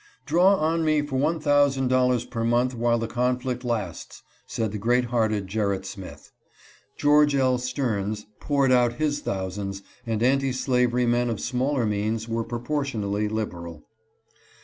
" Draw on me for $1,000 per month while the conflict lasts," said the great hearted Gerrit Smith. George L. Stearns poured out his thousands, and anti slavery men of smaller means were proportionally liberal.